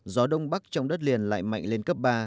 gió đông bắc trong đất liền lại mạnh lên cấp ba